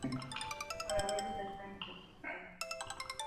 Tiene planta basilical y está cubierta por un tejado a dos aguas.